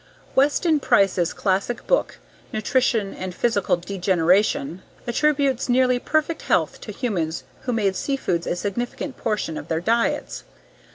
Weston Price's classic book, Nutrition and Physical Degeneration, attributes nearly perfect health to humans who made seafoods a significant portion of their diets.